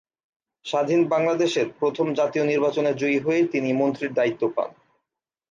স্বাধীন বাংলাদেশের প্রথম জাতীয় নির্বাচনে জয়ী হয়ে তিনি মন্ত্রীর দায়িত্ব পান।